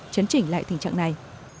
chấn chỉnh lại tình trạng này